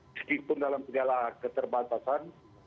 meskipun dalam segala keterbatasan